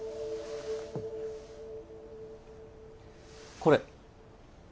これ。